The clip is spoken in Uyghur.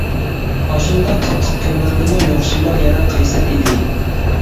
ئاشۇنداق قاتتىق كۈنلەردىمۇ يوقسۇللار يەنە قەيسەر ئىدى.